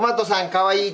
かわいい。